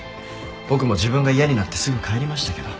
僕も自分が嫌になってすぐ帰りましたけど。